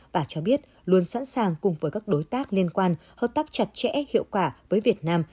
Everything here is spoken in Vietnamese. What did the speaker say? và cho biết luôn sẵn sàng cùng với các đối tác liên quan hợp tác chặt chẽ hiệu quả với việt nam